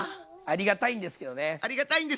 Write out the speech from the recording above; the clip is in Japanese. ありがたいんですけどね。